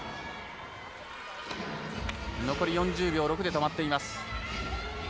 残り４０秒６で止まっています。